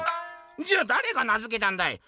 「じゃあだれが名づけたんだい？」。